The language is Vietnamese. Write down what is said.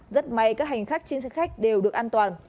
rất may các hành khách trên xe khách đều được an toàn